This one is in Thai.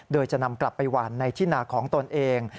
โดยจะนำกลับไปหวานในที่นาของตนเอง